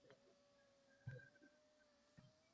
Xo’sh, xola bir boshdan gapirib bering